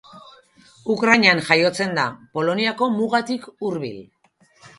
Ukrainan jaiotzen da, Poloniako mugatik hurbil.